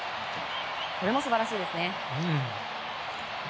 これも素晴らしいですね。